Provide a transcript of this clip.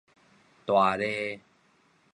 大蛚